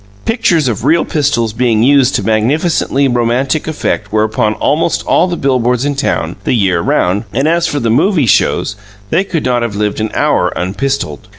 Pictures of real pistols being used to magnificently romantic effect were upon almost all the billboards in town, the year round, and as for the "movie" shows, they could not have lived an hour unpistoled.